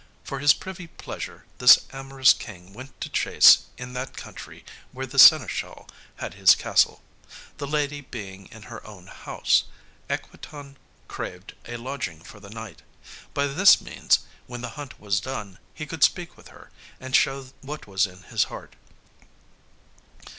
For his privy pleasure this amorous King went to chase in that country where the seneschal had his castle. The lady being in her own house, Equitan craved a lodging for the night. By this means when the hunt was done, he could speak with her, and show what was in his heart.